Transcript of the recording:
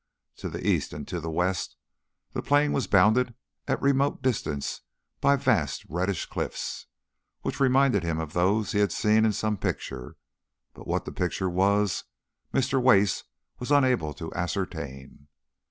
To the east and to the west the plain was bounded at a remote distance by vast reddish cliffs, which reminded him of those he had seen in some picture; but what the picture was Mr. Wace was unable to ascertain.